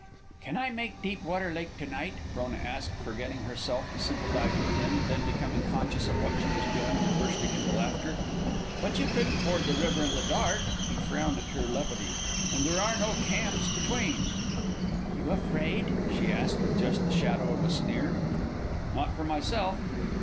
"Can I make Deep Lake to night?" Frona asked, forgetting herself to sympathize with him, then becoming conscious of what she was doing and bursting into laughter. "But you couldn't ford the river in the dark." He frowned at her levity. "And there are no camps between." "Are you afraid?" she asked with just the shadow of a sneer. "Not for myself."